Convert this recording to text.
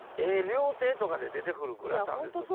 料亭とかで出て来るグラタンですよ